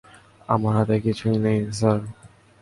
আমার হাতে কিছুই নেই, স্যার।